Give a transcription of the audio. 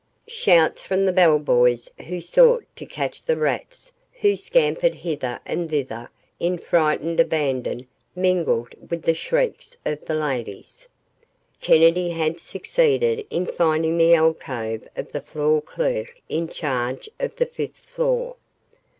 Shouts from the bellboys who sought to catch the rats who scampered hither and thither in frightened abandon mingled with the shrieks of the ladies. Kennedy had succeeded in finding the alcove of the floor clerk in charge of the fifth floor.